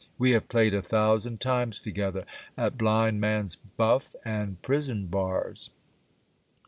We have played a thousand times together at blind man's buff and prison bars.